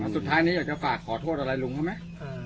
สุดท้ายนี้อยากจะฝากขอโทษอะไรลุงเขาไหม